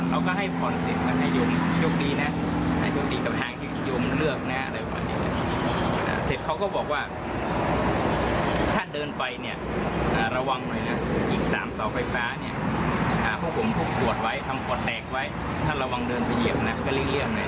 เราก็ให้พรเด็กมาให้ยุ่งยุกดีนะยุกดีกระทางยุ่งเลือกหน้าอะไรบ้างดี